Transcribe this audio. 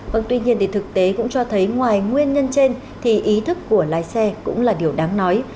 vâng tuy nhiên thì thực tế cũng cho thấy ngoài nguyên nhân trên thì ý thức của lái xe cũng là điều đáng nói